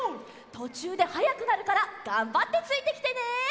とちゅうではやくなるからがんばってついてきてね。